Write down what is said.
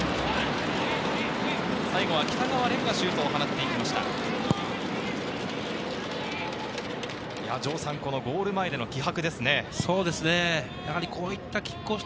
最後は北川漣がシュートを放っていきました。